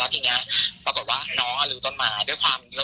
แล้วจะปรากฏว่าน้องอ่ะลูกหน้าเรารู้ต้นไม้